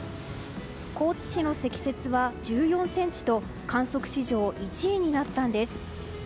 高知市の積雪は１４ｃｍと観測史上１位になったんです。